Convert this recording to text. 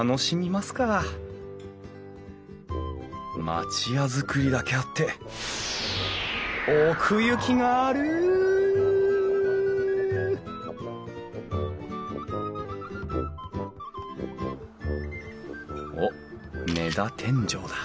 町屋造りだけあって奥行きがあるおっ根太天井だ。